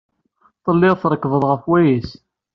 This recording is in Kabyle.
Telliḍ trekkbeḍ ɣef wayis.